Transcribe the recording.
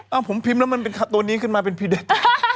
เอาผมพิมพ์แล้วมันเป็นตัวนี้ขึ้นมาเป็นพีเด็ด